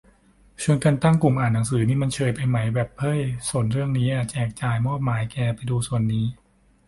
ชวนกันตั้งกลุ่มอ่านหนังสือนี่มันเชยไปไหม แบบ เฮ้ยสนเรื่องนี้ อะ แจกจ่ายมอบหมายแกไปดูส่วนนี้